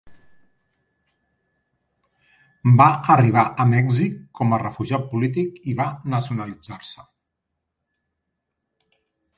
Va arribar a Mèxic com a refugiat polític i va nacionalitzar-se.